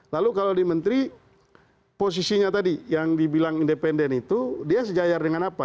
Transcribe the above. lalu kalau di menteri posisinya tadi yang dibilang independen itu dia sejajar dengan apa